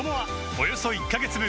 およそ１カ月分